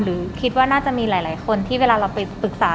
หรือคิดว่าน่าจะมีหลายคนที่เวลาเราไปปรึกษา